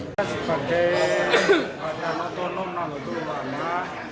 saya sebagai antonom nalutul warna